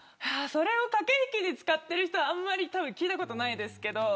それを駆け引きで使ってる人はあんまり聞いたことないですけど。